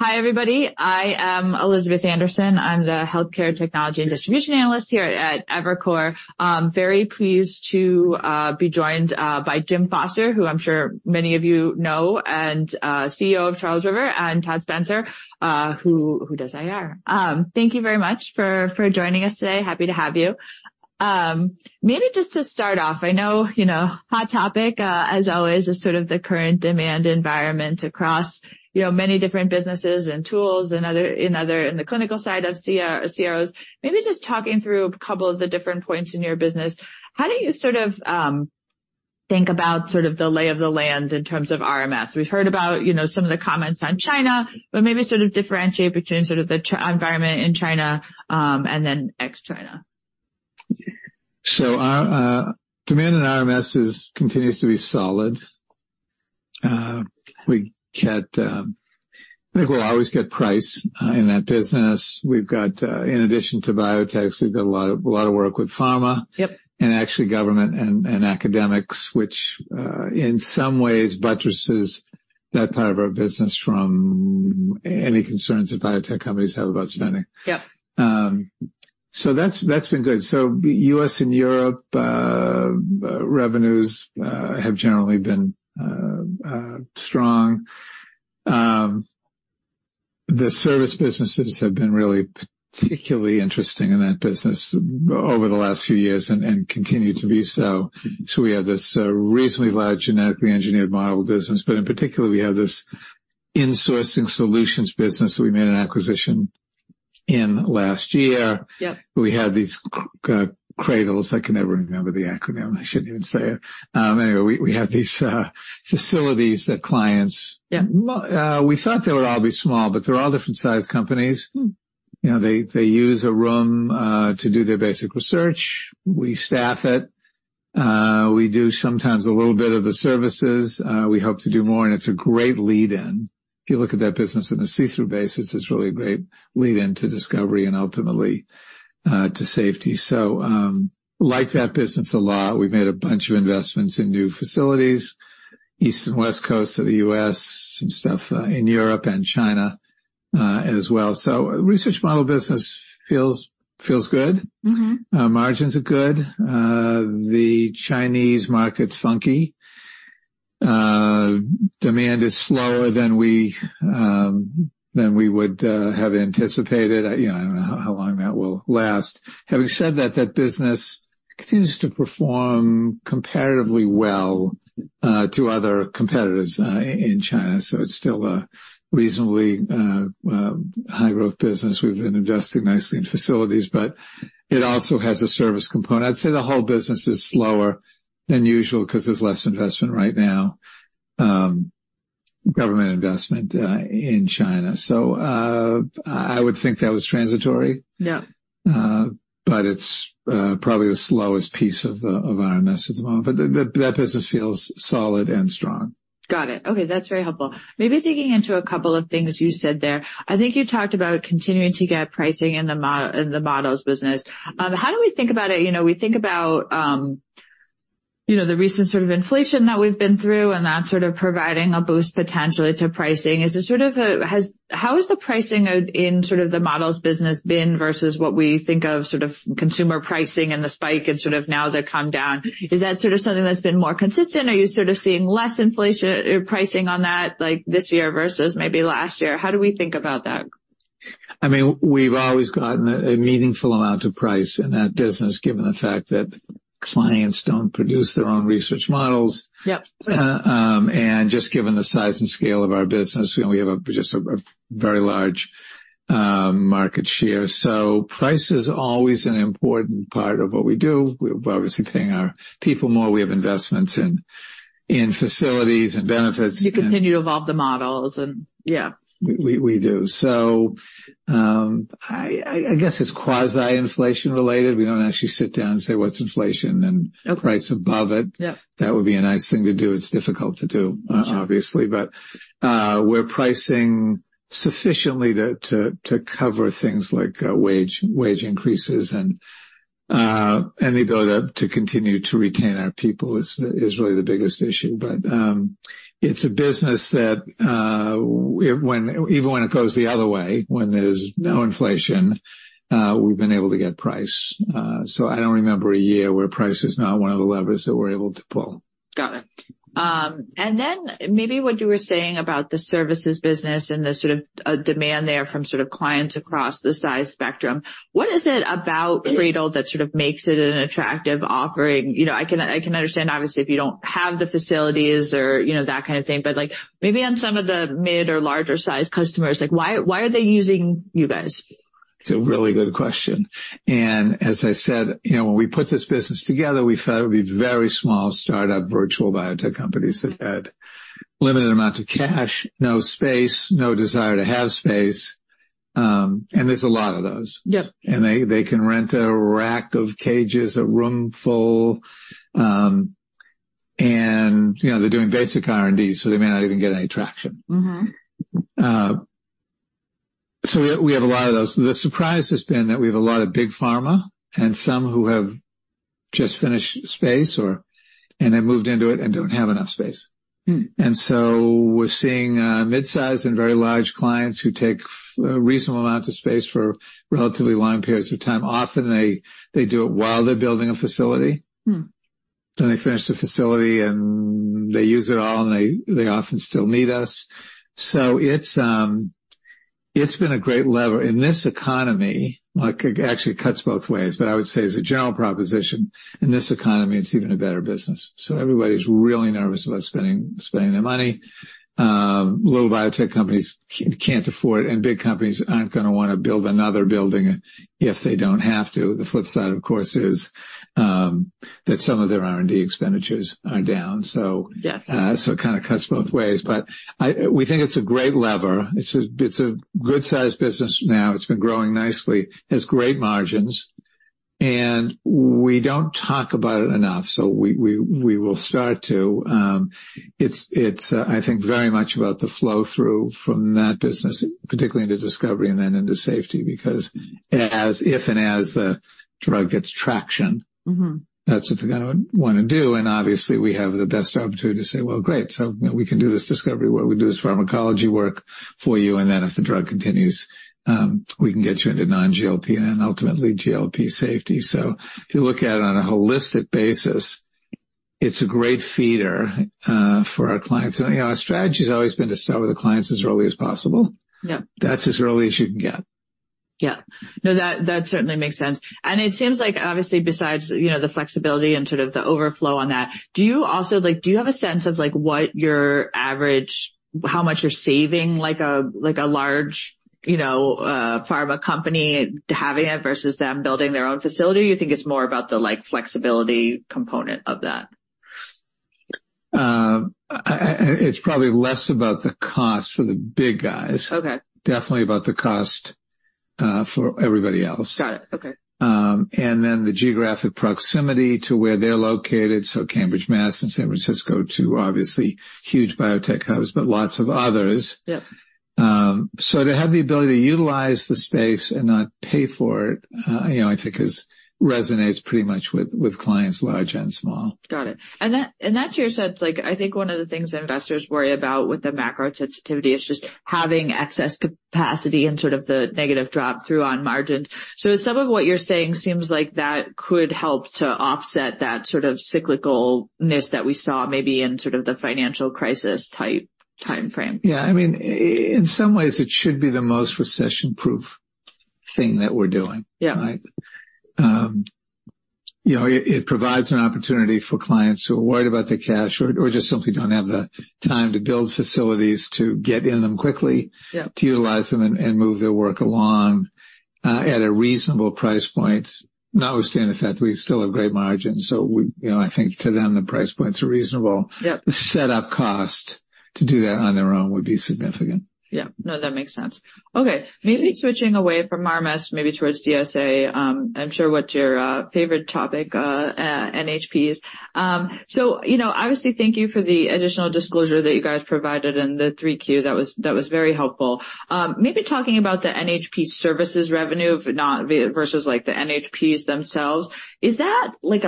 Hi, everybody. I am Elizabeth Anderson. I'm the Healthcare Technology and Distribution Analyst here at Evercore. I'm very pleased to be joined by Jim Foster, who I'm sure many of you know, and CEO of Charles River, and Todd Spencer, who does IR. Thank you very much for joining us today. Happy to have you. Maybe just to start off, I know, you know, hot topic as always is sort of the current demand environment across, you know, many different businesses and tools and others in the Clinical side of CROs. Maybe just talking through a couple of the different points in your business, how do you sort of think about sort of the lay of the land in terms of RMS? We've heard about, you know, some of the comments on China, but maybe sort of differentiate between sort of the environment in China, and then ex-China. So our demand in RMS continues to be solid. We get, I think we'll always get price in that business. We've got, in addition to biotechs, we've got a lot of, a lot of work with pharma- Yep. Actually Government and Academics, which in some ways buttresses that part of our business from any concerns that Biotech Companies have about spending. Yep. So that's, that's been good. So U.S. and Europe, revenues, have generally been, strong. The service businesses have been really particularly interesting in that business over the last few years and, and continue to be so. So we have this, reasonably large genetically engineered model business, but in particular, we have this Insourcing Solutions business that we made an acquisition in last year. Yep. We had these CRADLs. I can never remember the acronym. I shouldn't even say it. Anyway, we had these facilities that clients- Yep. We thought they would all be small, but they're all different sized companies. Mm-hmm. You know, they use a room to do their basic research. We staff it. We do sometimes a little bit of the services. We hope to do more, and it's a great lead-in. If you look at that business on a see-through basis, it's really a great lead-in to discovery and ultimately to safety. So, like that business a lot. We've made a bunch of investments in new facilities, East and West Coast of the U.S., some stuff in Europe and China, as well. So research model business feels good. Mm-hmm. Margins are good. The Chinese market's funky. Demand is slower than we would have anticipated. You know, I don't know how long that will last. Having said that, that business continues to perform comparatively well to other competitors in China, so it's still a reasonably high-growth business. We've been investing nicely in facilities, but it also has a service component. I'd say the whole business is slower than usual because there's less investment right now, Government Investment, in China. So, I would think that was transitory. Yeah. But it's probably the slowest piece of RMS at the moment, but that business feels solid and strong. Got it. Okay, that's very helpful. Maybe digging into a couple of things you said there. I think you talked about continuing to get pricing in the models business. How do we think about it? You know, we think about, you know, the recent sort of inflation that we've been through, and that sort of providing a boost potentially to pricing. Is it sort of a... How has the pricing out in sort of the models business been versus what we think of sort of consumer pricing and the spike and sort of now the comedown? Is that sort of something that's been more consistent? Are you sort of seeing less inflation, pricing on that, like, this year versus maybe last year? How do we think about that? I mean, we've always gotten a meaningful amount of price in that business, given the fact that clients don't produce their own research models. Yep. Just given the size and scale of our business, we only have a very large market share. So price is always an important part of what we do. We're obviously paying our people more. We have investments in facilities and benefits. You continue to evolve the models, and yeah. We do. So, I guess it's quasi inflation related. We don't actually sit down and say, "What's inflation? Okay. Price above it. Yep. That would be a nice thing to do. It's difficult to do. Got you. Obviously. But, we're pricing sufficiently to cover things like wage increases and the ability to continue to retain our people is really the biggest issue. But, it's a business that, even when it goes the other way, when there's no inflation, we've been able to get price. So I don't remember a year where price is not one of the levers that we're able to pull. Got it. And then maybe what you were saying about the services business and the sort of, demand there from sort of clients across the size spectrum, what is it about CRADL that sort of makes it an attractive offering? You know, I can, I can understand, obviously, if you don't have the facilities or, you know, that kind of thing, but, like, maybe on some of the mid or larger-sized customers, like, why, why are they using you guys? It's a really good question, and as I said, you know, when we put this business together, we thought it would be very small startup, virtual biotech companies that had limited amount of cash, no space, no desire to have space, and there's a lot of those. Yep. They can rent a rack of cages, a room full, and, you know, they're doing basic R&D, so they may not even get any traction. Mm-hmm. So we have a lot of those. The surprise has been that we have a lot of big pharma and some who have just finished space or and have moved into it and don't have enough space. Mm. And so we're seeing mid-sized and very large clients who take a reasonable amount of space for relatively long periods of time. Often they do it while they're building a facility. Mm. Then they finish the facility, and they use it all, and they often still need us. So it's been a great lever. In this economy, well, it actually cuts both ways, but I would say as a general proposition, in this economy, it's even a better business. So everybody's really nervous about spending their money. Little biotech companies can't afford it, and big companies aren't gonna wanna build another building if they don't have to. The flip side, of course, is that some of their R&D expenditures are down, so. Yes. So it kind of cuts both ways. But we think it's a great lever. It's a good-sized business now. It's been growing nicely. Has great margins, and we don't talk about it enough, so we will start to. It's, I think, very much about the flow-through from that business, particularly into discovery and then into safety, because as if and as the drug gets traction. Mm-hmm. That's what they're gonna wanna do, and obviously, we have the best opportunity to say, "Well, great, so, you know, we can do this discovery work, we do this pharmacology work for you, and then if the drug continues, we can get you into non-GLP and then ultimately GLP safety." So if you look at it on a holistic basis, it's a great feeder for our clients. And, you know, our strategy has always been to start with the clients as early as possible. Yep. That's as early as you can get. Yeah. No, that, that certainly makes sense. It seems like obviously, besides, you know, the flexibility and sort of the overflow on that, do you also, like, do you have a sense of like what your average, how much you're saving, like a, like a large, you know, pharma company having it versus them building their own facility, or you think it's more about the, like, flexibility component of that? It's probably less about the cost for the big guys. Okay. Definitely about the cost, for everybody else. Got it. Okay. And then the geographic proximity to where they're located, so Cambridge, Mass., and San Francisco, two obviously huge Biotech hubs, but lots of others. Yep. So to have the ability to utilize the space and not pay for it, you know, I think it resonates pretty much with clients large and small. Got it. And that to your sense, like, I think one of the things investors worry about with the macro sensitivity is just having excess capacity and sort of the negative drop-through on margins. So some of what you're saying seems like that could help to offset that sort of cyclicalness that we saw maybe in sort of the financial crisis type timeframe. Yeah, I mean, in some ways, it should be the most recession-proof thing that we're doing. Yeah. Right? you know, it, it provides an opportunity for clients who are worried about their cash or, or just simply don't have the time to build facilities, to get in them quickly- Yep. to utilize them and move their work along at a reasonable price point, notwithstanding the fact that we still have great margins. So we, You know, I think to them, the price points are reasonable. Yep. The setup cost to do that on their own would be significant. Yeah. No, that makes sense. Okay, maybe switching away from RMS, maybe towards DSA. I'm sure what your favorite topic, NHP is. So, you know, obviously, thank you for the additional disclosure that you guys provided in the 3Q. That was, that was very helpful. Maybe talking about the NHP services revenue, if not, versus, like, the NHPs themselves, is that like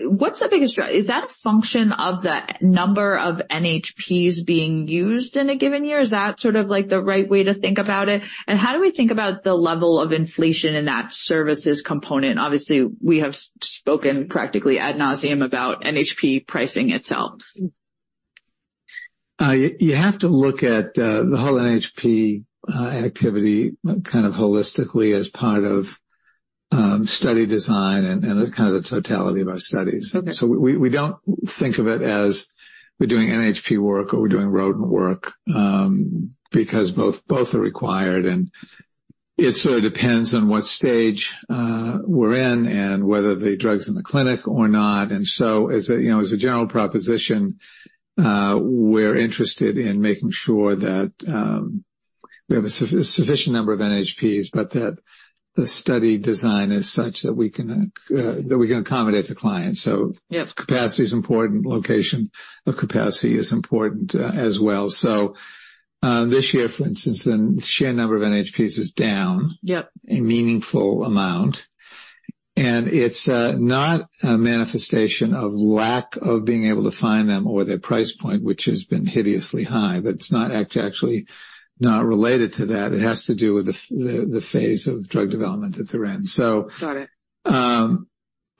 what's the biggest drive? Is that a function of the number of NHPs being used in a given year? Is that sort of, like, the right way to think about it? And how do we think about the level of inflation in that services component? Obviously, we have spoken practically ad nauseam about NHP pricing itself. You have to look at the whole NHP activity kind of holistically as part of study design and kind of the totality of our studies. Okay. So we don't think of it as we're doing NHP work or we're doing rodent work, because both are required, and it sort of depends on what stage we're in and whether the drug's in the clinic or not. And so, as a, you know, as a general proposition, we're interested in making sure that we have a sufficient number of NHPs, but that the study design is such that we can accommodate the client. Yep. So capacity is important, location of capacity is important, as well. So, this year, for instance, the sheer number of NHPs is down- Yep. a meaningful amount, and it's not a manifestation of lack of being able to find them or their price point, which has been hideously high, but it's actually not related to that. It has to do with the phase of Drug Development that they're in. Got it.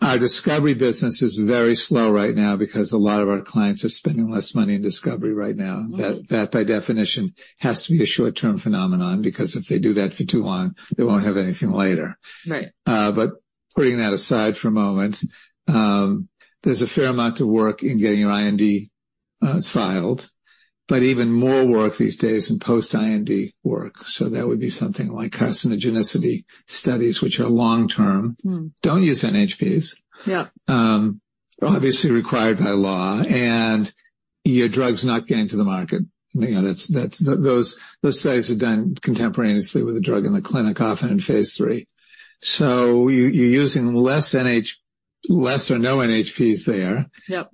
Our discovery business is very slow right now because a lot of our clients are spending less money in discovery right now. Mm. That by definition has to be a short-term phenomenon, because if they do that for too long, they won't have anything later. Right. But putting that aside for a moment, there's a fair amount of work in getting your IND filed, but even more work these days in post-IND work, so that would be something like carcinogenicity studies, which are long-term. Mm. Don't use NHPs. Yep. Obviously required by law, and your drug's not getting to the market. You know, that's. Those studies are done contemporaneously with a drug in the clinic, often in phase ll. So you're using less or no NHPs there. Yep.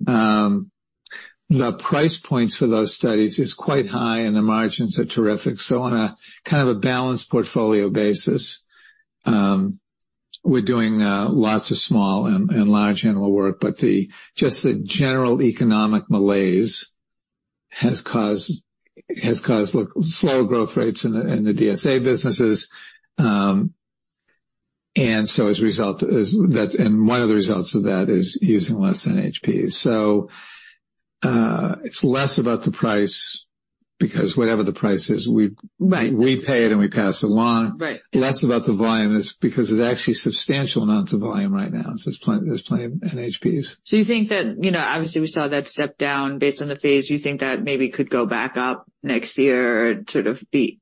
The price points for those studies is quite high, and the margins are terrific. So on a kind of a balanced portfolio basis, we're doing lots of small and large animal work. But just the general economic malaise has caused slower growth rates in the DSA businesses. And so as a result, one of the results of that is using less NHP. So it's less about the price, because whatever the price is, we. Right. We pay it and we pass it along. Right. Less about the volume. It's because it's actually substantial amounts of volume right now, so there's plenty, there's plenty of NHPs. So you think that, you know, obviously we saw that step down based on the phase. You think that maybe could go back up next year, sort of be...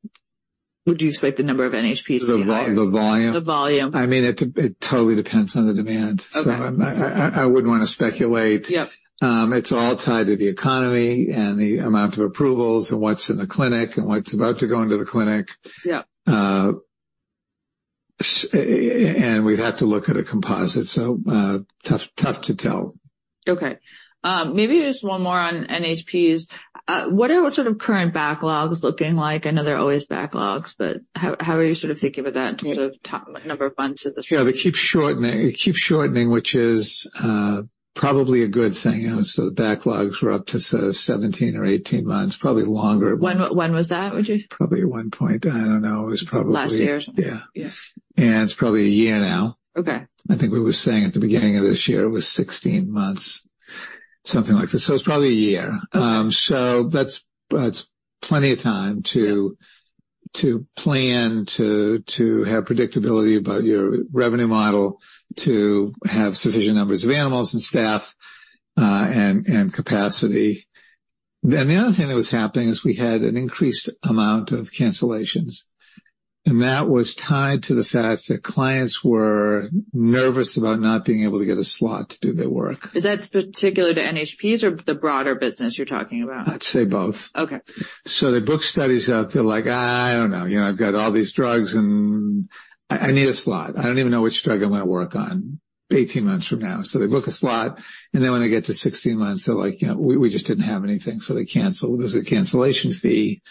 Would you expect the number of NHPs to be higher? The volume? The volume. I mean, it totally depends on the demand. Okay. I wouldn't want to speculate. Yep. It's all tied to the economy and the amount of approvals and what's in the clinic and what's about to go into the clinic. Yeah. And we'd have to look at a composite, so tough, tough to tell. Okay. Maybe just one more on NHPs. What are sort of current backlogs looking like? I know there are always backlogs, but how are you sort of thinking about that in terms of top, number of months at this point? Yeah, it keeps shortening. It keeps shortening, which is probably a good thing. You know, so the backlogs were up to sort of 17 or 18 months, probably longer. When was that, would you- Probably at one point, I don't know. It was probably- Last year? Yeah. Yes. It's probably a year now. Okay. I think we were saying at the beginning of this year it was 16 months, something like that. So it's probably a year. So that's, that's plenty of time to, to plan, to, to have predictability about your revenue model, to have sufficient numbers of animals and staff, and, and capacity. Then the other thing that was happening is we had an increased amount of cancellations, and that was tied to the fact that clients were nervous about not being able to get a slot to do their work. Is that particular to NHPs or the broader business you're talking about? I'd say both. Okay. So they book studies out. They're like, "I don't know. You know, I've got all these drugs and I need a slot. I don't even know which drug I'm going to work on 18 months from now." So they book a slot, and then when they get to 16 months, they're like, "You know, we just didn't have anything," so they cancel. There's a cancellation fee,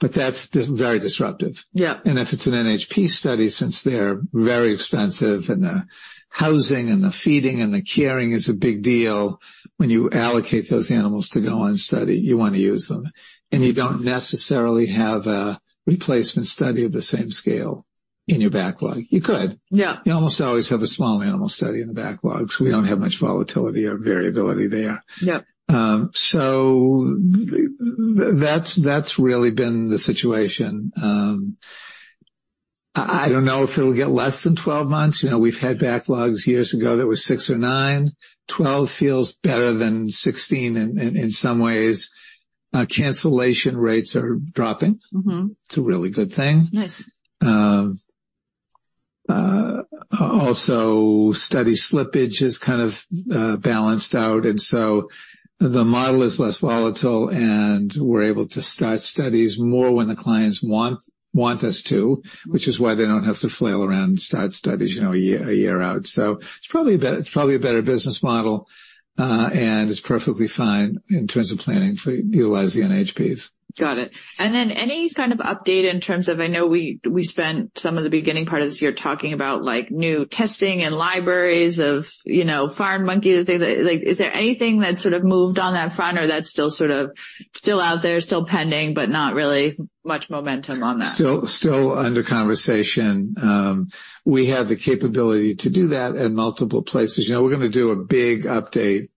but that's just very disruptive. Yeah. If it's an NHP study, since they're very expensive and the housing and the feeding and the caring is a big deal, when you allocate those animals to go on study, you want to use them, and you don't necessarily have a replacement study of the same scale in your backlog. You could. Yeah. You almost always have a small animal study in the backlog, so we don't have much volatility or variability there. Yep. That's really been the situation. I don't know if it'll get less than 12 months. You know, we've had backlogs years ago that were six or nine. 12 feels better than 16 in some ways. Cancellation rates are dropping. Mm-hmm. It's a really good thing. Nice. Also, study slippage is kind of balanced out, and so the model is less volatile, and we're able to start studies more when the clients want, want us to, which is why they don't have to flail around and start studies, you know, a year, a year out. So it's probably a better, it's probably a better business model, and it's perfectly fine in terms of planning for utilizing NHPs. Got it. And then any kind of update in terms of I know we spent some of the beginning part of this year talking about like, new testing and libraries of, you know, farmed monkey. Like, is there anything that sort of moved on that front or that's still sort of out there, still pending, but not really much momentum on that? Still, still under conversation. We have the capability to do that in multiple places. You know, we're going to do a big update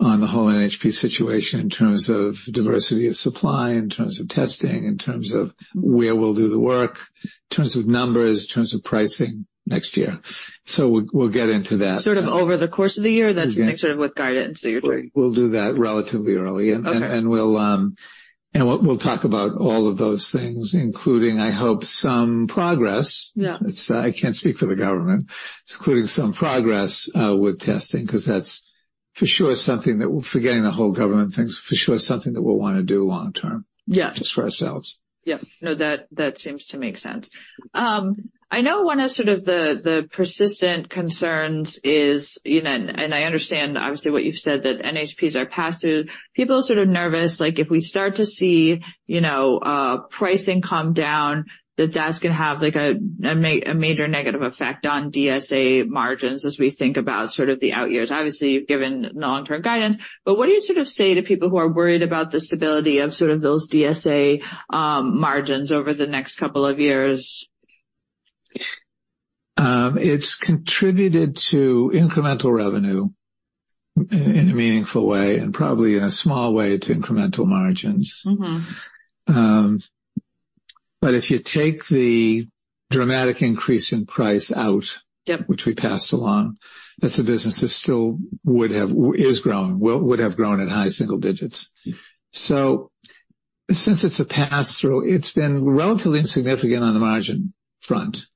on the whole NHP situation in terms of diversity of supply, in terms of testing, in terms of where we'll do the work, in terms of numbers, in terms of pricing next year. So we'll, we'll get into that. Sort of over the course of the year? Yeah. That's sort of what guided into your- We'll do that relatively early. Okay. We'll talk about all of those things, including, I hope, some progress. Yeah. I can't speak for the government. Including some progress with testing, 'cause that's for sure something that, forgetting the whole government things, for sure, something that we'll want to do long term. Yeah. Just for ourselves. Yes. No, that, that seems to make sense. I know one of, sort of the, the persistent concerns is, you know, and I understand obviously what you've said, that NHPs are pass-through. People are sort of nervous, like if we start to see, you know, pricing come down, that's going to have like a major negative effect on DSA margins as we think about sort of the out years. Obviously, you've given long-term guidance, but what do you sort of say to people who are worried about the stability of sort of those DSA margins over the next couple of years? It's contributed to incremental revenue in a meaningful way and probably in a small way to incremental margins. Mm-hmm. but if you take the dramatic increase in price out- Yep. -which we passed along, that's a business that still would have, is growing, would have grown at high single digits. So since it's a pass-through, it's been relatively insignificant on the margin front.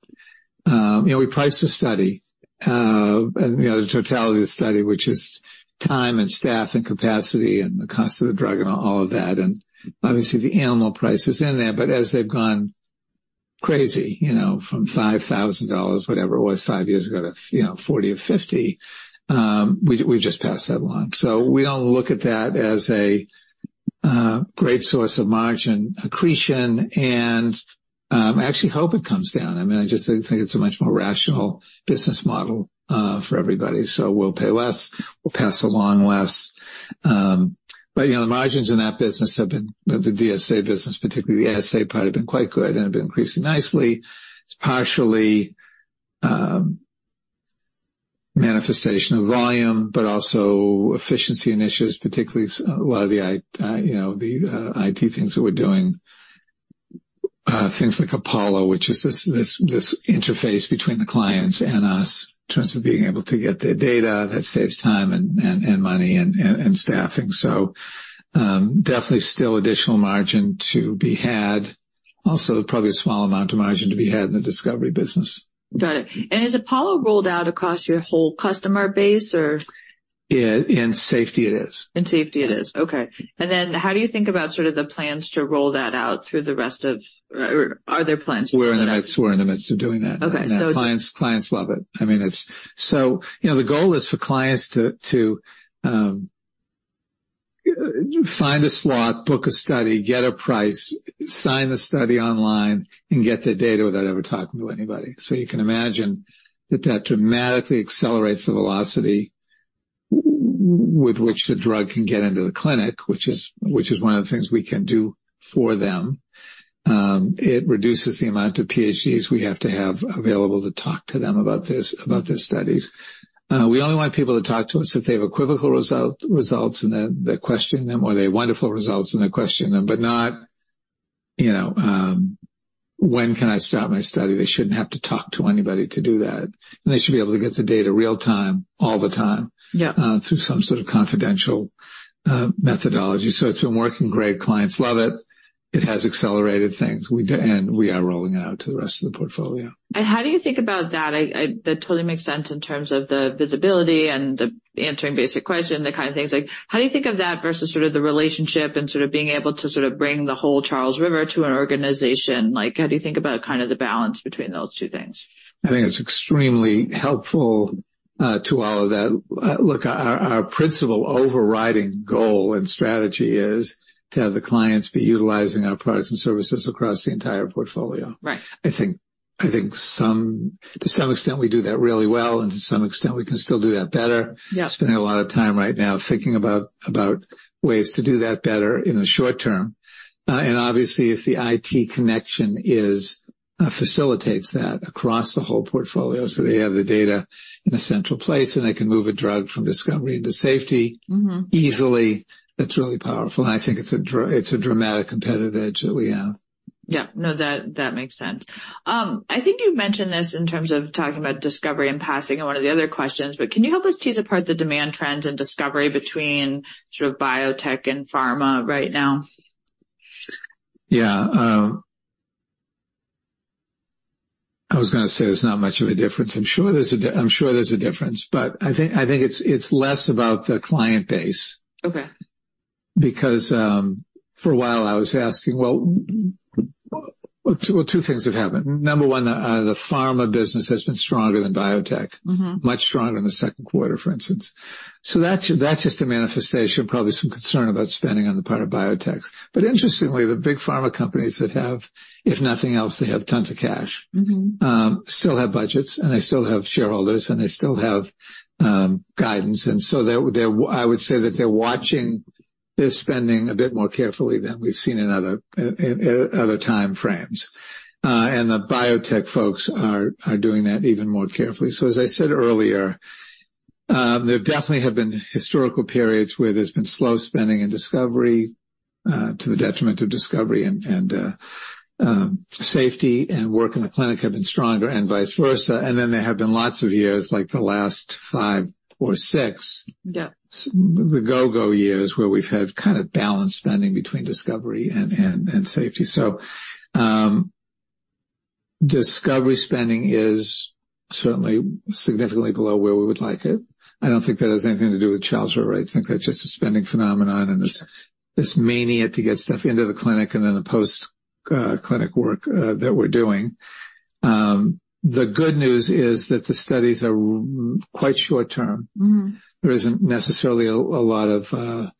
You know, we price the study, and, you know, the totality of the study, which is time and staff and capacity and the cost of the drug and all of that, and obviously the animal price is in there. But as they've gone crazy, you know, from $5,000, whatever it was 5 years ago, to, you know, 40 or 50. We just passed that along. So we don't look at that as a great source of margin accretion, and I actually hope it comes down. I mean, I just think it's a much more rational business model for everybody. So we'll pay less, we'll pass along less. But, you know, the margins in that business have been, the DSA business, particularly the SA part, quite good and have been increasing nicely. It's partially manifestation of volume, but also efficiency initiatives, particularly a lot of the, you know, the IT things that we're doing. Things like Apollo, which is this interface between the clients and us, in terms of being able to get their data. That saves time and money and staffing. So, definitely still additional margin to be had. Also, probably a small amount of margin to be had in the discovery business. Got it. Is Apollo rolled out across your whole customer base, or? Yeah, in safety it is. In safety it is. Okay. And then how do you think about sort of the plans to roll that out through the rest of. Or are there plans to. We're in the midst of doing that. Okay, so- Clients, clients love it. I mean, it's. So, you know, the goal is for clients to find a slot, book a study, get a price, sign the study online, and get their data without ever talking to anybody. So you can imagine that that dramatically accelerates the velocity with which the drug can get into the clinic, which is one of the things we can do for them. It reduces the amount of PhDs we have to have available to talk to them about this, about their studies. We only want people to talk to us if they have equivocal result, results and they question them, or they have wonderful results, and they question them. But not, you know, "When can I start my study?" They shouldn't have to talk to anybody to do that, and they should be able to get the data real-time, all the time- Yeah. Through some sort of confidential methodology. So it's been working great. Clients love it. It has accelerated things. And we are rolling it out to the rest of the portfolio. And how do you think about that? That totally makes sense in terms of the visibility and the answering basic question, the kind of things like, How do you think of that versus sort of the relationship and sort of being able to sort of bring the whole Charles River to an organization? Like, how do you think about kind of the balance between those two things? I think it's extremely helpful to all of that. Look, our principal overriding goal and strategy is to have the clients be utilizing our products and services across the entire portfolio. Right. I think to some extent, we do that really well, and to some extent, we can still do that better. Yeah. Spending a lot of time right now thinking about ways to do that better in the short term. Obviously, if the IT connection facilitates that across the whole portfolio, so they have the data in a central place, and they can move a drug from discovery into safety- Mm-hmm. easily, that's really powerful, and I think it's a dramatic competitive edge that we have. Yeah. No, that, that makes sense. I think you've mentioned this in terms of talking about discovery and passing in one of the other questions, but can you help us tease apart the demand trends in discovery between sort of biotech and pharma right now? Yeah, I was going to say there's not much of a difference. I'm sure there's a difference, but I think, I think it's, it's less about the client base. Okay. Because, for a while, I was asking, well... Well, two things have happened. Number one, the pharma business has been stronger than biotech. Mm-hmm. Much stronger in the second quarter, for instance. So that's, that's just a manifestation, probably some concern about spending on the part of biotechs. But interestingly, the big pharma companies that have, if nothing else, they have tons of cash. Mm-hmm. Still have budgets, and they still have shareholders, and they still have guidance, and so they're watching their spending a bit more carefully than we've seen in other time frames. And the biotech folks are doing that even more carefully. So as I said earlier, there definitely have been historical periods where there's been slow spending in discovery to the detriment of discovery and safety and work in the clinic have been stronger and vice versa. And then there have been lots of years, like the last five or six- Yeah. the go-go years, where we've had kind of balanced spending between discovery and safety. So, discovery spending is certainly significantly below where we would like it. I don't think that has anything to do with Charles River. I think that's just a spending phenomenon and this mania to get stuff into the clinic and then the post clinic work that we're doing. The good news is that the studies are quite short term. Mm-hmm. There isn't necessarily a lot of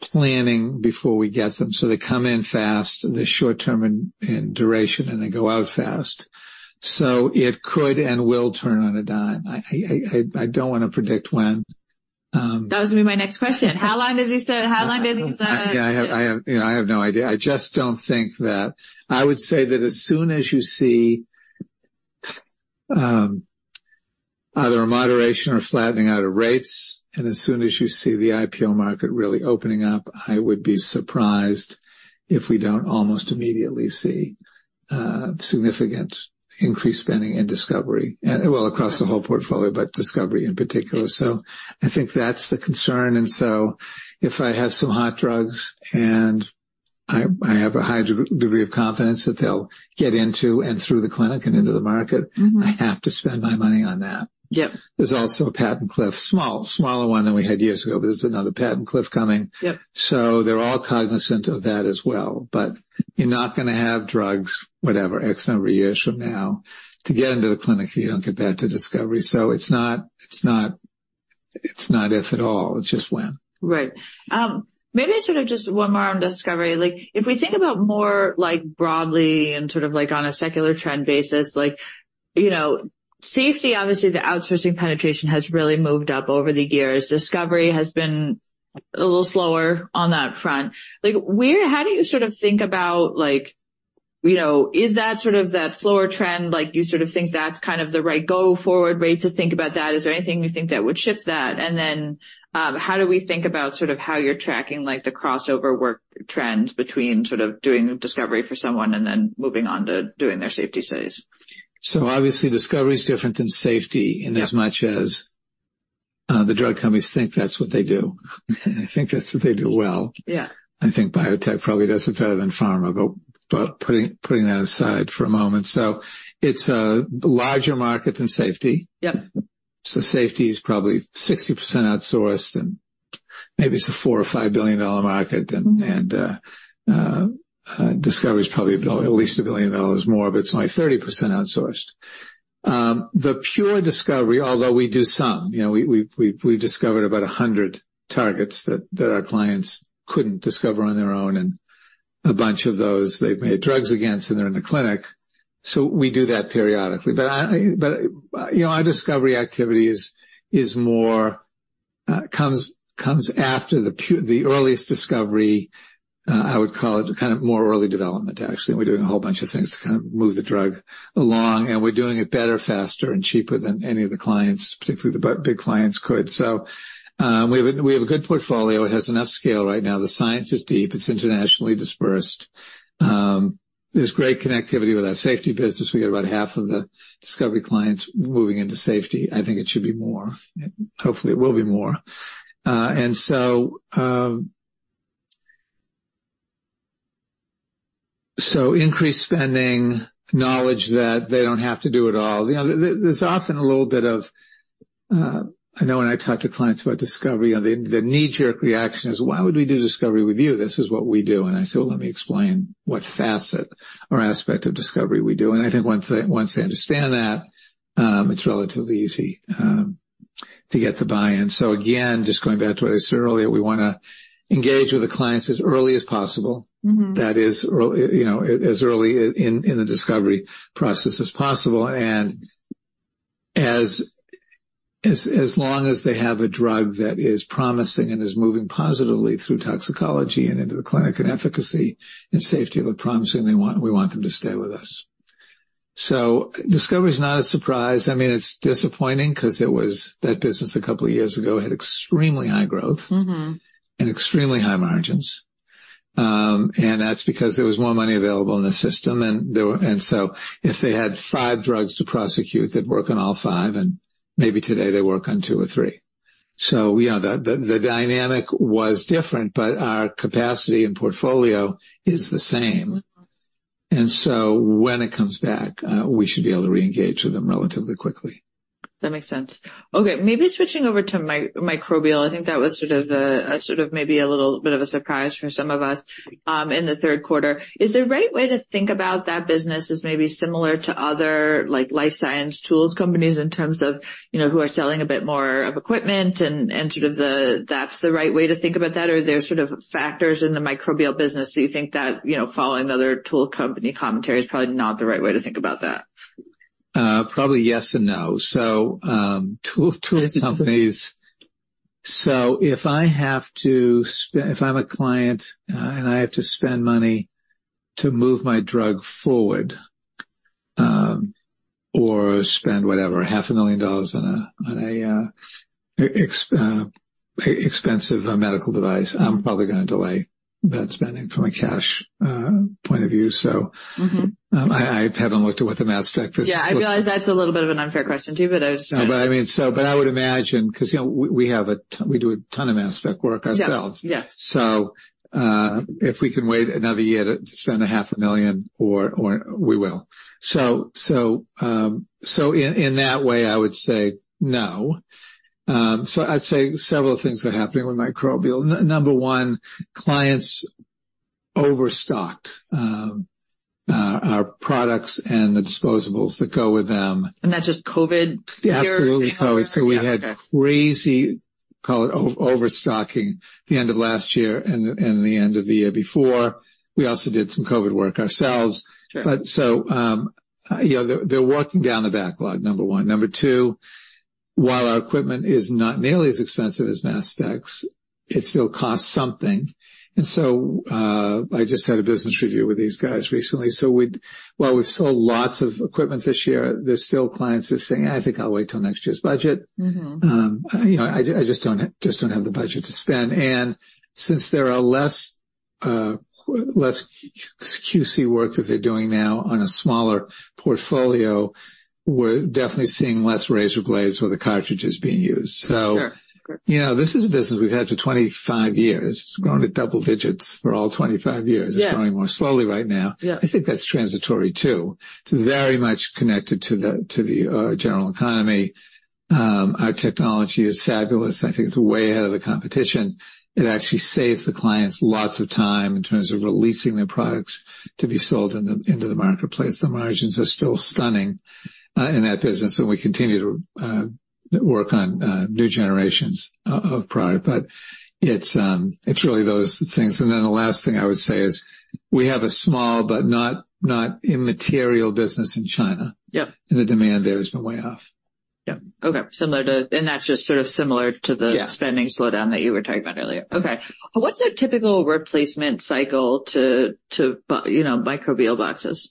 planning before we get them, so they come in fast, they're short term in duration, and they go out fast. So it could and will turn on a dime. I don't want to predict when- That was going to be my next question. How long did you say? How long did you say? Yeah, I have, I have, you know, I have no idea. I just don't think that, I would say that as soon as you see either a moderation or flattening out of rates, and as soon as you see the IPO market really opening up, I would be surprised if we don't almost immediately see significant increased spending and discovery. Well, across the whole portfolio, but discovery in particular. So I think that's the concern, and so if I have some hot drugs and I have a high degree of confidence that they'll get into and through the clinic and into the market. Mm-hmm. I have to spend my money on that. Yep. There's also a patent cliff, small, smaller one than we had years ago, but there's another patent cliff coming. Yep. So they're all cognizant of that as well. But you're not gonna have drugs, whatever, X number of years from now, to get into the clinic if you don't get back to discovery. So it's not, it's not, it's not if at all, it's just when. Right. Maybe sort of just one more on discovery. Like, if we think about more, like, broadly and sort of like on a secular trend basis, like, you know, safety, obviously, the outsourcing penetration has really moved up over the years. Discovery has been a little slower on that front. Like, where, how do you sort of think about, like, you know, is that sort of that slower trend, like, you sort of think that's kind of the right go forward rate to think about that? Is there anything you think that would shift that? And then, how do we think about sort of how you're tracking, like, the crossover work trends between sort of doing discovery for someone and then moving on to doing their safety studies? Obviously, discovery is different than safety- Yep. In as much as, the drug companies think that's what they do. I think that's what they do well. Yeah. I think biotech probably does it better than pharma, but putting that aside for a moment. So it's a larger market than safety. Yep. So safety is probably 60% outsourced, and maybe it's a $4 billion-$5 billion market. Mm-hmm. Discovery is probably $1 billion, at least $1 billion more, but it's only 30% outsourced. The pure discovery, although we do some, you know, we've discovered about 100 targets that our clients couldn't discover on their own, and a bunch of those they've made drugs against, and they're in the clinic. So we do that periodically. You know, our discovery activity is more comes after the earliest discovery. I would call it kind of more early development, actually. We're doing a whole bunch of things to kind of move the drug along, and we're doing it better, faster, and cheaper than any of the clients, particularly the big clients, could. We have a good portfolio. It has enough scale right now. The science is deep, it's internationally dispersed. There's great connectivity with our safety business. We get about half of the discovery clients moving into safety. I think it should be more. Hopefully, it will be more. And so increased spending, knowledge that they don't have to do it all. You know, there's often a little bit of, I know when I talk to clients about discovery, the knee-jerk reaction is, "Why would we do discovery with you? This is what we do." And I say, "Well, let me explain what facet or aspect of discovery we do." And I think once they understand that, it's relatively easy to get the buy-in. So again, just going back to what I said earlier, we wanna engage with the clients as early as possible. Mm-hmm. That is early, you know, as early in the discovery process as possible, and as long as they have a drug that is promising and is moving positively through toxicology and into the clinic, and efficacy and safety look promising, they want, we want them to stay with us. So discovery is not a surprise. I mean, it's disappointing because it was that business a couple of years ago had extremely high growth- Mm-hmm. -and extremely high margins. And that's because there was more money available in the system, and there were... So if they had five drugs to prosecute, they'd work on all five, and maybe today they work on two or three. So, you know, the dynamic was different, but our capacity and portfolio is the same. And so when it comes back, we should be able to re-engage with them relatively quickly. That makes sense. Okay, maybe switching over to microbial, I think that was sort of a sort of maybe a little bit of a surprise for some of us in the third quarter. Is the right way to think about that business maybe similar to other, like, life science tools companies in terms of, you know, who are selling a bit more of equipment and sort of the, that's the right way to think about that? Or there are sort of factors in the microbial business, so you think that, you know, following other tool company commentary is probably not the right way to think about that? Probably yes and no. So, tool companies. So if I'm a client and I have to spend money to move my drug forward, or spend whatever, $500,000 on an expensive medical device, I'm probably gonna delay that spending from a cash point of view, so. Mm-hmm. I haven't looked at what the mass spec is. Yeah, I realize that's a little bit of an unfair question, too, but I was just- I mean, I would imagine, because, you know, we have a ton, we do a ton of mass spec work ourselves. Yeah. Yeah. If we can wait another year to spend $500,000 or we will. In that way, I would say no. I'd say several things are happening with microbial. Number one, clients overstocked our products and the disposables that go with them. That's just COVID? Absolutely. COVID. Okay. We had crazy, call it overstocking, the end of last year and the end of the year before. We also did some COVID work ourselves. Sure. But so, you know, they're working down the backlog, number one. Number two, while our equipment is not nearly as expensive as mass specs, it still costs something. And so, I just had a business review with these guys recently. So while we've sold lots of equipment this year, there's still clients just saying, "I think I'll wait till next year's budget. Mm-hmm. You know, "I just don't, just don't have the budget to spend." And since there are less QC work that they're doing now on a smaller portfolio, we're definitely seeing less razor blades for the cartridges being used. Sure. You know, this is a business we've had for 25 years. It's grown at double digits for all 25 years. Yeah. It's growing more slowly right now. Yeah. I think that's transitory, too. It's very much connected to the general economy. Our Technology is fabulous. I think it's way ahead of the competition. It actually saves the clients lots of time in terms of releasing their products to be sold into the marketplace. The margins are still stunning in that business, and we continue to work on new generations of product. But it's really those things. And then the last thing I would say is, we have a small but not immaterial business in China. Yep. The demand there has been way off. Yep. Okay, and that's just sort of similar to the- Yeah spending slowdown that you were talking about earlier. Okay. What's a typical replacement cycle to you know, microbial boxes?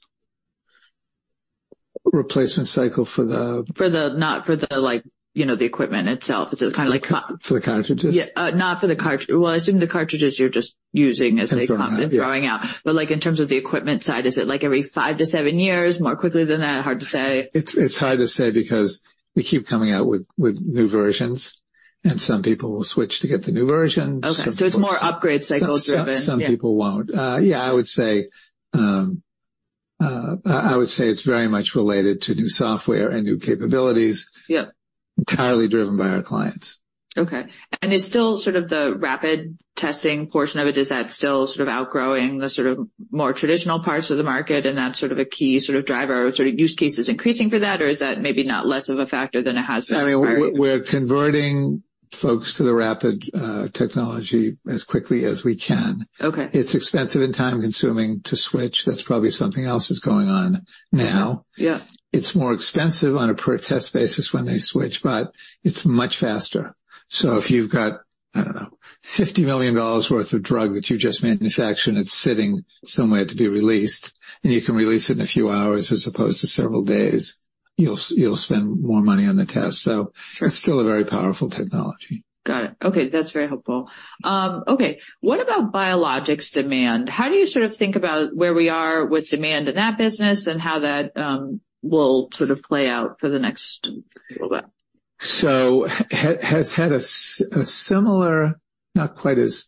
Replacement cycle for the? Not for the, like, you know, the equipment itself. It's kind of like- For the cartridges? Yeah. Not for the cartridges. Well, I assume the cartridges you're just using as they come- Throwing out. And throwing out. But, like, in terms of the equipment side, is it, like, every 5-7 years? More quickly than that? Hard to say. It's hard to say because we keep coming out with new versions, and some people will switch to get the new versions. Okay. So it's more upgrade cycle driven. Some people won't. Yeah, I would say, I would say it's very much related to new Software and new capabilities. Yep. Entirely driven by our clients. Okay. Is still sort of the rapid testing portion of it still sort of outgrowing the sort of more traditional parts of the market, and that's sort of a key sort of driver, or sort of use cases increasing for that? Or is that maybe not less of a factor than it has been? I mean, we're converting folks to the rapid technology as quickly as we can. Okay. It's expensive and time-consuming to switch. That's probably something else that's going on now. Yeah. It's more expensive on a per-test basis when they switch, but it's much faster. So if you've got, I don't know, $50 million worth of drug that you just manufactured, and it's sitting somewhere to be released, and you can release it in a few hours as opposed to several days, you'll, you'll spend more money on the test. So it's still a very powerful technology. Got it. Okay, that's very helpful. Okay, what about biologics demand? How do you sort of think about where we are with demand in that business and how that will sort of play out for the next little bit? So has had a similar, not quite as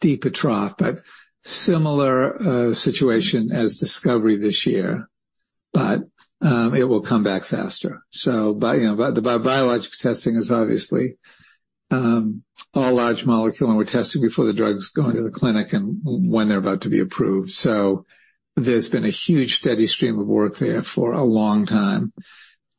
deep a trough, but similar, situation as discovery this year. But, it will come back faster. So you know, the biologic testing is obviously, all large molecule, and we're testing before the drugs go into the clinic and when they're about to be approved. So there's been a huge, steady stream of work there for a long time.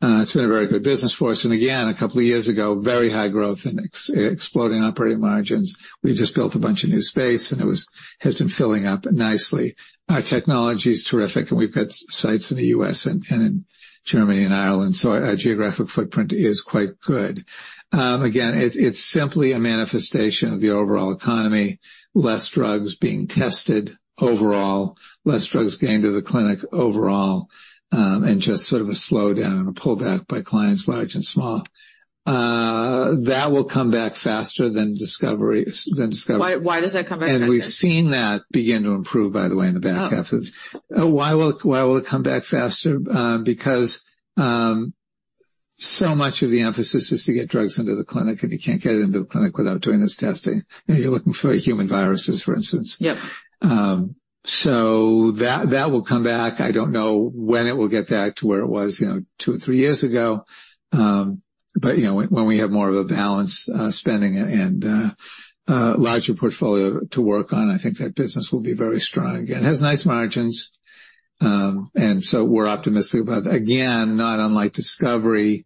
It's been a very good business for us. And again, a couple of years ago, very high growth and exploding operating margins. We just built a bunch of new space, and it has been filling up nicely. Our technology is terrific, and we've got sites in the U.S. and in Germany and Ireland, so our geographic footprint is quite good. Again, it's simply a manifestation of the overall economy. Less drugs being tested overall, less drugs getting to the clinic overall, and just sort of a slowdown and a pullback by clients large and small. That will come back faster than discovery. Why, why does that come back faster? We've seen that begin to improve, by the way, in the back office. Oh. Why will it come back faster? Because so much of the emphasis is to get drugs into the clinic, and you can't get it into the clinic without doing this testing. And you're looking for human viruses, for instance. Yep. So that will come back. I don't know when it will get back to where it was, you know, two or three years ago. But, you know, when we have more of a balanced spending and a larger portfolio to work on, I think that business will be very strong. Again, it has nice margins, and so we're optimistic about it. Again, not unlike discovery,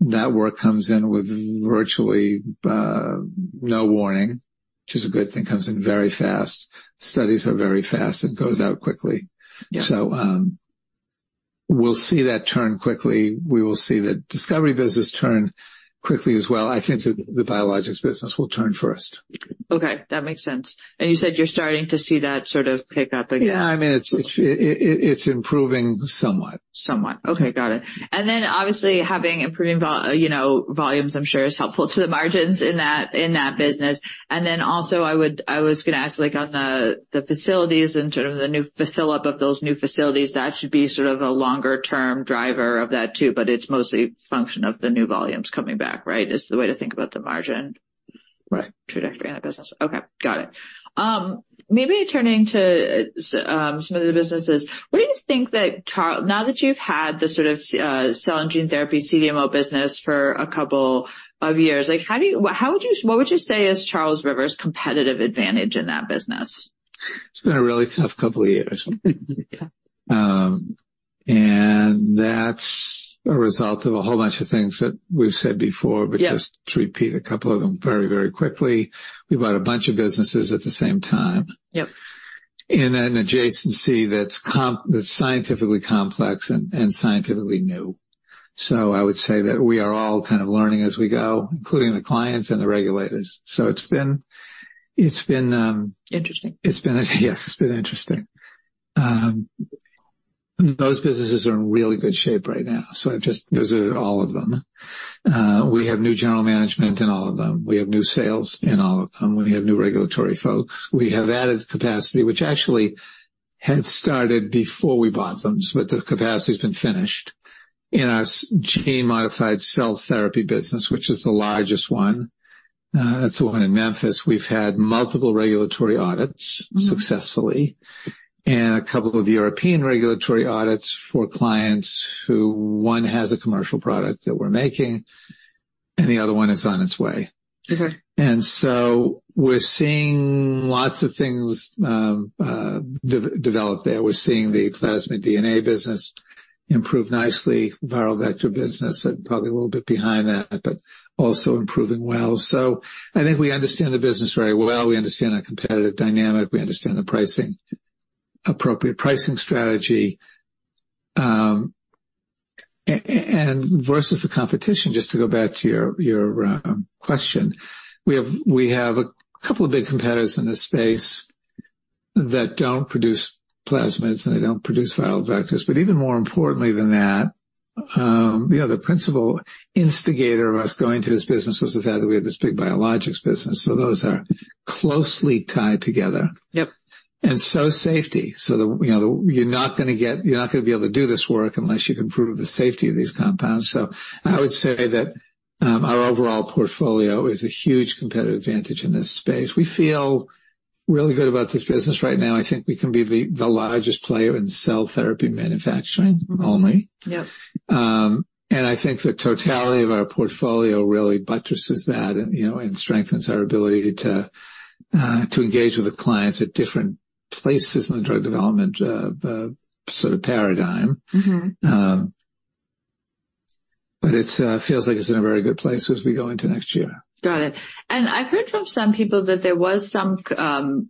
that work comes in with virtually no warning, which is a good thing. Comes in very fast. Studies are very fast and goes out quickly. Yeah. We'll see that turn quickly. We will see the discovery business turn quickly as well. I think that the biologics business will turn first. Okay, that makes sense. You said you're starting to see that sort of pick up again? Yeah, I mean, it's improving somewhat. Somewhat. Okay, got it. And then obviously, having improving volumes, you know, is helpful to the margins in that business. And then also, I was going to ask, like, on the facilities and sort of the new fill up of those new facilities, that should be sort of a longer-term driver of that too, but it's mostly a function of the new volumes coming back, right? Is the way to think about the margin- Right. -trajectory in the business. Okay, got it. Maybe turning to some of the businesses, what do you think, now that you've had the sort of cell and gene therapy CDMO business for a couple of years, like, how would you, what would you say is Charles River's competitive advantage in that business? It's been a really tough couple of years. That's a result of a whole bunch of things that we've said before. Yeah. Just to repeat a couple of them very, very quickly, we bought a bunch of businesses at the same time. Yep. In an adjacency that's scientifically complex and scientifically new. So I would say that we are all kind of learning as we go, including the clients and the regulators. So it's been. Interesting. It's been a yes, it's been interesting. Those businesses are in really good shape right now, so I've just visited all of them. We have new general management in all of them. We have new sales in all of them. We have new regulatory folks. We have added capacity, which actually had started before we bought them, but the capacity has been finished. In our gene-modified cell therapy business, which is the largest one, that's the one in Memphis, we've had multiple regulatory audits successfully and a couple of European regulatory audits for clients who, one, has a commercial product that we're making, and the other one is on its way. Okay. So we're seeing lots of things develop there. We're seeing the plasmid DNA business improve nicely. Viral vector business, probably a little bit behind that, but also improving well. So I think we understand the business very well. We understand our competitive dynamic. We understand the pricing, appropriate pricing strategy, and versus the competition, just to go back to your question, we have, we have a couple of big competitors in this space that don't produce plasmids, and they don't produce viral vectors. But even more importantly than that, you know, the principal instigator of us going to this business was the fact that we had this big biologics business, so those are closely tied together. Yep. Safety. So the, you know, you're not going to get—you're not going to be able to do this work unless you can prove the safety of these compounds. So I would say that our overall portfolio is a huge competitive advantage in this space. We feel really good about this business right now. I think we can be the, the largest player in cell therapy manufacturing only. Yep. And I think the totality of our portfolio really buttresses that, and, you know, and strengthens our ability to engage with the clients at different places in the drug development sort of paradigm. Mm-hmm. It feels like it's in a very good place as we go into next year. Got it. I've heard from some people that there was some,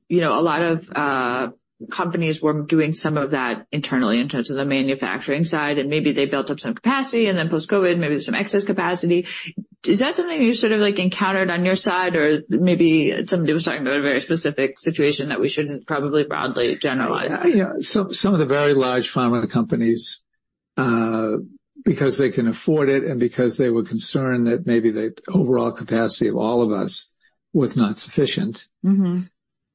you know, a lot of companies were doing some of that internally in terms of the manufacturing side, and maybe they built up some capacity and then post-COVID, maybe some excess capacity. Is that something you sort of, like, encountered on your side, or maybe somebody was talking about a very specific situation that we shouldn't probably broadly generalize? Yeah. Some of the very large pharma companies, because they can afford it and because they were concerned that maybe the overall capacity of all of us was not sufficient- Mm-hmm.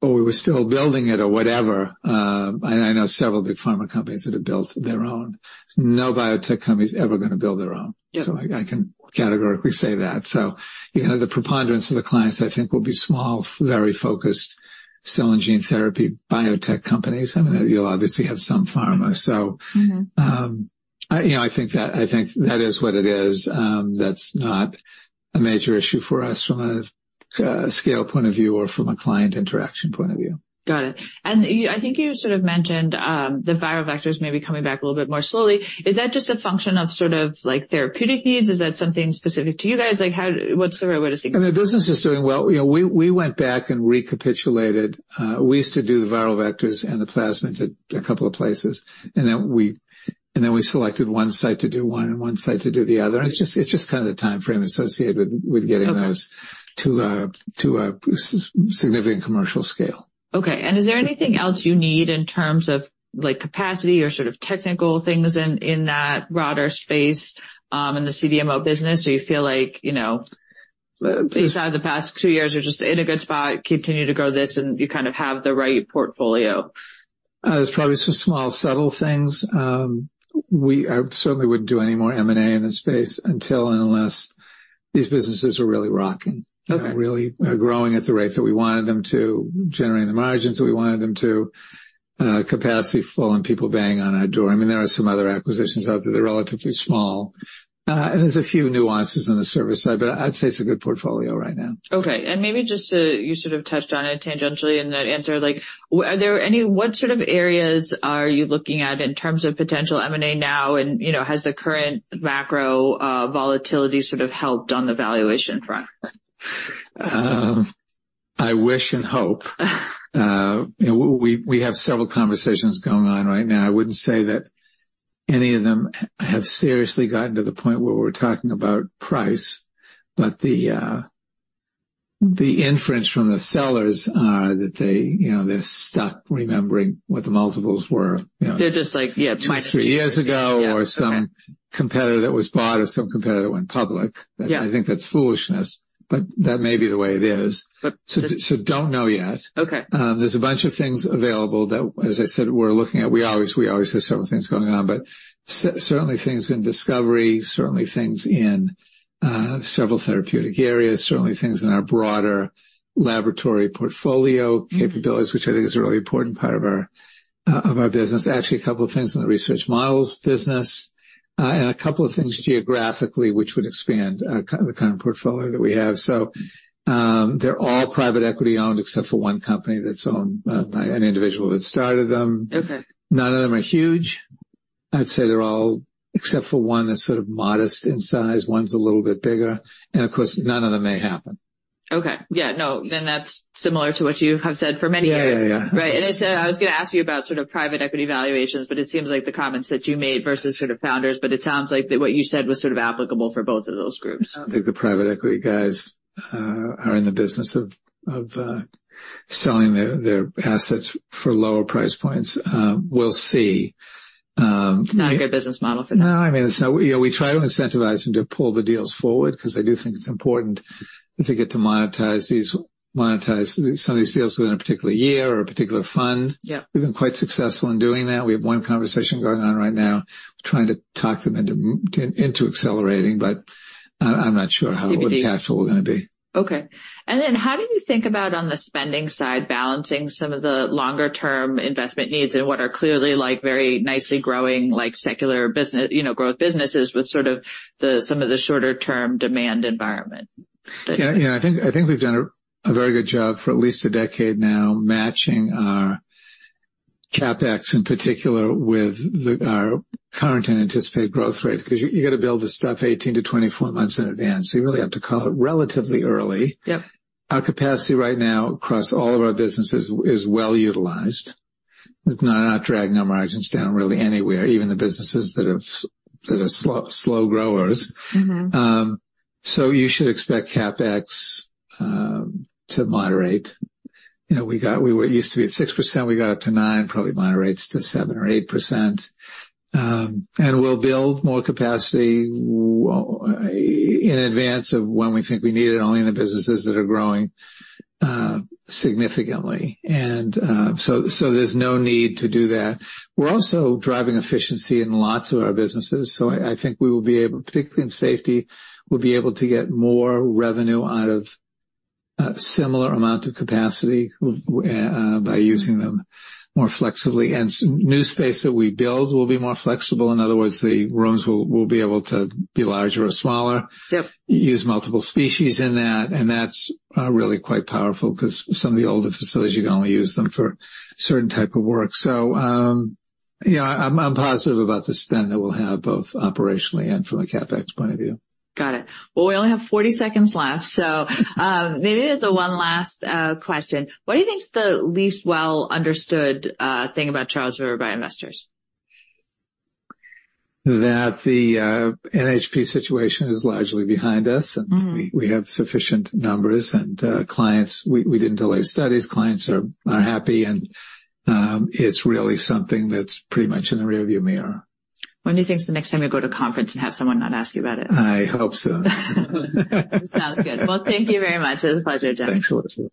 We were still building it or whatever, and I know several big pharma companies that have built their own. No biotech company is ever going to build their own. Yep. I can categorically say that. You know, the preponderance of the clients, I think, will be small, very focused, cell and gene therapy, biotech companies. I mean, you'll obviously have some pharma. Mm-hmm. So, you know, I think that is what it is. That's not a major issue for us from a scale point of view or from a client interaction point of view. Got it. I think you sort of mentioned, the viral vectors may be coming back a little bit more slowly. Is that just a function of sort of like therapeutic needs? Is that something specific to you guys? Like, how... What's the right way to think of it? The business is doing well. You know, we went back and recapitulated. We used to do the viral vectors and the plasmids at a couple of places, and then we selected one site to do one and one site to do the other. It's just kind of the time frame associated with getting those- Okay. to a significant commercial scale. Okay. Is there anything else you need in terms of, like, capacity or sort of technical things in that broader space in the CDMO business? Or you feel like, you know, inside the past two years, you're just in a good spot, continue to grow this, and you kind of have the right portfolio? There's probably some small, subtle things. I certainly wouldn't do any more M&A in this space until and unless these businesses are really rocking. Okay. -and really growing at the rate that we wanted them to, generating the margins that we wanted them to, capacity full and people banging on our door. I mean, there are some other acquisitions out there. They're relatively small, and there's a few nuances on the service side, but I'd say it's a good portfolio right now. Okay. And maybe just to... You sort of touched on it tangentially in that answer, like, are there any-- What sort of areas are you looking at in terms of potential M&A now? And, you know, has the current macro volatility sort of helped on the valuation front? I wish and hope. We have several conversations going on right now. I wouldn't say that any of them have seriously gotten to the point where we're talking about price, but the inference from the sellers are that they, you know, they're stuck remembering what the multiples were, you know? They're just like, "Yeah, twice. Three years ago, or some competitor that was bought, or some competitor that went public. Yeah. I think that's foolishness, but that may be the way it is. But- So, don't know yet. Okay. There's a bunch of things available that, as I said, we're looking at. We always, we always have several things going on, but certainly things in discovery, certainly things in several therapeutic areas, certainly things in our broader laboratory portfolio capabilities, which I think is a really important part of our business. Actually, a couple of things in the research models business, and a couple of things geographically, which would expand the kind of portfolio that we have. So, they're all private equity owned, except for one company that's owned by an individual that started them. Okay. None of them are huge. I'd say they're all, except for one, that's sort of modest in size. One's a little bit bigger, and of course, none of them may happen. Okay. Yeah, no, then that's similar to what you have said for many years. Yeah, yeah, yeah. Right. I said I was going to ask you about sort of private equity valuations, but it seems like the comments that you made versus sort of founders, but it sounds like that what you said was sort of applicable for both of those groups. I don't think the private equity guys are in the business of selling their assets for lower price points. We'll see. Not a good business model for them. No, I mean, it's not. You know, we try to incentivize them to pull the deals forward, because I do think it's important to get to monetize these, monetize some of these deals within a particular year or a particular fund. Yeah. We've been quite successful in doing that. We have one conversation going on right now, trying to talk them into accelerating, but I, I'm not sure how the capital are going to be. Okay. And then how do you think about, on the spending side, balancing some of the longer-term investment needs and what are clearly, like, very nicely growing, like, secular business, you know, growth businesses with sort of the, some of the shorter term demand environment? Yeah, I think we've done a very good job for at least a decade now, matching our CapEx, in particular, with our current and anticipated growth rate. Because you got to build this stuff 18-24 months in advance, so you really have to call it relatively early. Yep. Our capacity right now, across all of our businesses, is well utilized. It's not dragging our margins down really anywhere, even the businesses that are slow growers. Mm-hmm. So you should expect CapEx to moderate. You know, we used to be at 6%, we got up to 9%, probably moderates to 7% or 8%. And we'll build more capacity in advance of when we think we need it, only in the businesses that are growing significantly. And, so, so there's no need to do that. We're also driving efficiency in lots of our businesses, so I think we will be able, particularly in safety, we'll be able to get more revenue out of a similar amount of capacity by using them more flexibly. And new space that we build will be more flexible. In other words, the rooms will be able to be larger or smaller. Yep. Use multiple species in that, and that's really quite powerful, because some of the older facilities, you can only use them for certain type of work. So, you know, I'm positive about the spend that we'll have, both operationally and from a CapEx point of view. Got it. Well, we only have 40 seconds left, so maybe there's one last question. What do you think is the least well-understood thing about Charles River by investors? That the NHP situation is largely behind us- Mm-hmm. and we have sufficient numbers and clients. We didn't delay studies. Clients are happy, and it's really something that's pretty much in the rearview mirror. When do you think is the next time you'll go to conference and have someone not ask you about it? I hope soon. Sounds good. Well, thank you very much. It was a pleasure, Jim. Thanks, Elizabeth